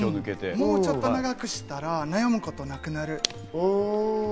もうちょっと長くやったら悩むことなくなる。